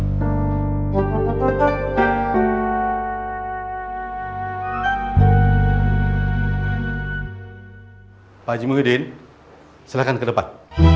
haji muhyiddin silakan ke depan